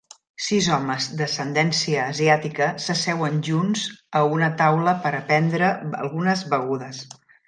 Sis homes d'ascendència asiàtica s'asseuen junts a una taula per a prendre algunes begudes.